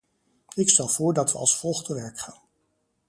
Ik stel voor dat we als volgt te werk gaan.